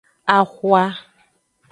Axwa.